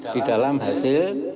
di dalam hasil